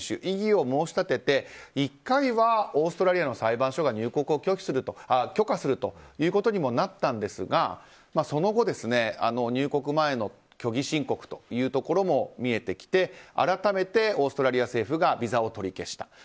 異議を申し立て、１回はオーストラリアの裁判所が入国を許可するということにもなったんですがその後、入国前の虚偽申告というところも見えてきて改めてオーストラリア政府がビザを取り消した。